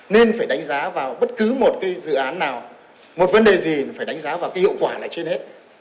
nên phải đánh giá vào bất cứ một cái dự án nào một vấn đề gì phải đánh giá vào cái hiệu quả là trên hết